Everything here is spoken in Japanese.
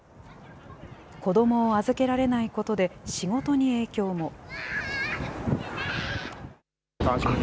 子どもを預けられないことで、仕事に影響も。